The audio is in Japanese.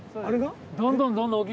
あれが？